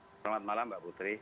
selamat malam mbak putri